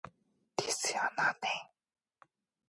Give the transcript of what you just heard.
커다란 은잔을 들어 주인과 주재소 수석에게 권한다.